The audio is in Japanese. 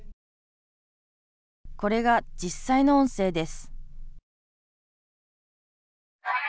これが実際の音声です。